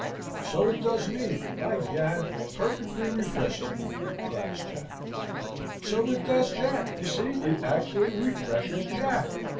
"So it does me by gad perfectly refreshes me," cries Jack "So it does Jack you see it actually refreshes Jack!